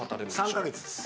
３カ月です。